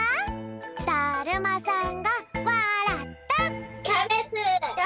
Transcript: だるまさんがわらった！